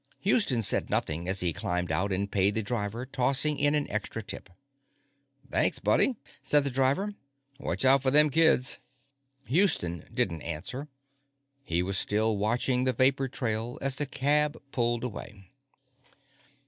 Houston said nothing as he climbed out and paid the driver, tossing in an extra tip. "Thanks, buddy," said the driver. "Watch out for them kids." Houston didn't answer. He was still watching the vapor trail as the cab pulled away.